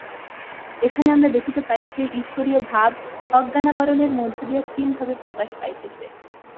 এখানে আমরা দেখিতে পাই, সেই ঈশ্বরীয় ভাব অজ্ঞানাবরণের মধ্য দিয়া ক্ষীণভাবে প্রকাশ পাইতেছে।